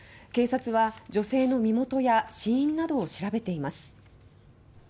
警察は、女性の身元や死因などを調べています。